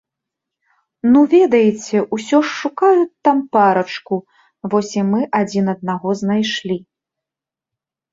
Ну ведаеце, усё ж шукаюць там парачку, вось і мы адзін аднаго знайшлі.